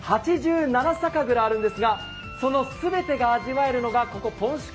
８７酒蔵あるんですが、その全てが味わえるのがここ、ぽんしゅ